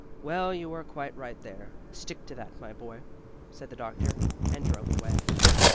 "Well, you are quite right there: stick to that, my boy," said the doctor, and drove away.